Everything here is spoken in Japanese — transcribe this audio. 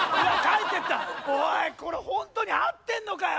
おいこれホントに合ってんのかよ！